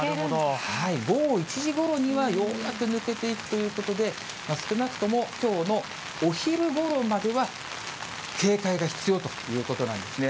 午後１時ごろには、ようやく抜けていくということで、少なくともきょうのお昼ごろまでは、警戒が必要ということなんですね。